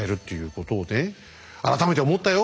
改めて思ったよ